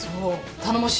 頼もしいね。